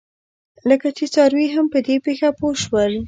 لکه چې څاروي هم په دې پېښه پوه شول.